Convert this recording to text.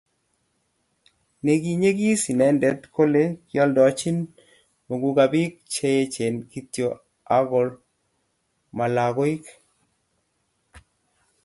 nekiinyekis inende kole kioldochini muguka biik che echen kityo ako mo lakoik